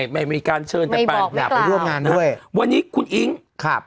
ไม่มีการเชิญไม่บอกไม่กล่าวด้วยวันนี้คุณอิ๊งครับ